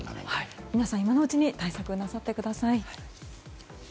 皆さん、今のうちに対策なさってください。